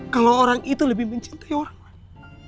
kalau orang itu lebih mencintai orang lain